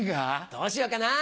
どうしようかな？